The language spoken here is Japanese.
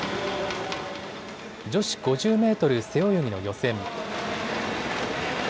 女子５０メートル背泳ぎの予選。